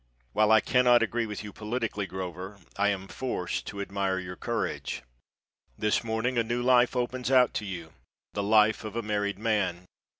While I cannot agree with you politically, Grover, I am forced to admire your courage. This morning a new life opens out to you the life of a married man.